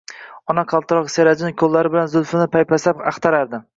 Ona qaltiroq, serajin qo`llari bilan zulfinni paypaslab axtarardi